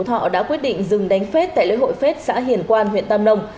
tổ thọ đã quyết định dừng đánh phết tại lễ hội phết xã hiền quan huyện tam đông